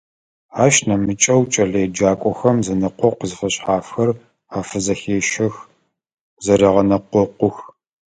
Ащ нэмыкӀэу кӀэлэеджакӀохэм зэнэкъокъу зэфэшъхьафхэр афызэхещэх, зэрегъэнэкъокъух.